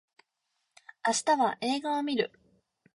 明日は映画を見る